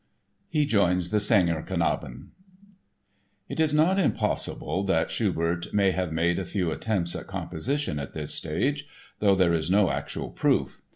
He Joins the "Sängerknaben" It is not impossible that Schubert may have made a few attempts at composition at this stage, though there is no actual proof.